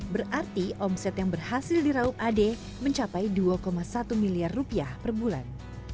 berarti omset yang berhasil diraup ade mencapai dua satu miliar rupiah per bulan